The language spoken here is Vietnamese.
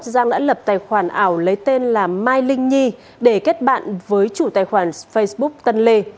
giang đã lập tài khoản ảo lấy tên là mai linh nhi để kết bạn với chủ tài khoản facebook tân lê